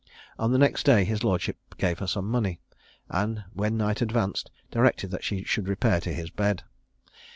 On the next day his lordship gave her some money; and when night advanced, directed that she should repair to his bed.